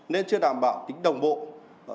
nên chưa đảm bảo tính đồng bộ